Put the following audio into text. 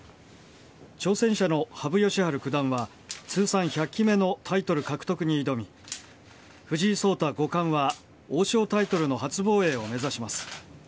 挑戦者の羽生善治九段は通算１００期目のタイトル獲得に挑み藤井聡太五冠は王将タイトルの初防衛を目指します。